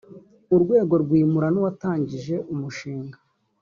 urwego rwimura n’uwatangije umushinga